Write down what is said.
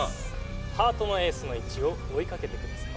ハートのエースの位置を追いかけてください